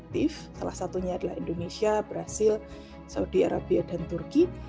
pilih secara selektif salah satunya adalah indonesia brazil saudi arabia dan turki